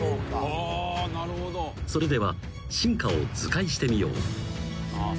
［それでは進化を図解してみよう］